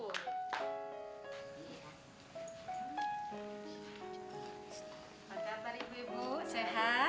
apa kabar ibu ibu sehat